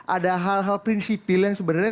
ada hal hal prinsipil yang sebenarnya